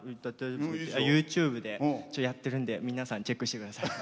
ＹｏｕＴｕｂｅで一応やってるんで皆さんチェックしてください。